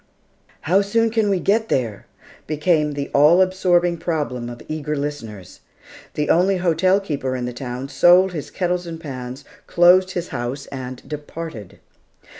"How soon can we get there?" became the all absorbing problem of eager listeners. The only hotel keeper in the town sold his kettles and pans, closed his house, and departed.